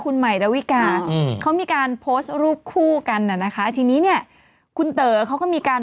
คุณหมายดวิกาเขามีการโพสรูปคู่กันนะนะคะทีนี้เนี่ยคุณเกิ่งเข้าก็มีการ